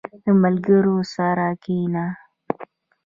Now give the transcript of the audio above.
• د ملګرو سره کښېنه.